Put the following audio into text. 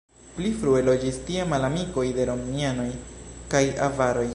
Pli frue loĝis tie malamikoj de romianoj kaj avaroj.